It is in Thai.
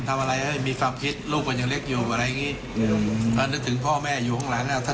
ทำไปแล้วมารับผิดนะครับแล้วก็ทางผู้เสียหายก็ให้อภัย